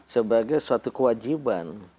sebagai suatu kewajiban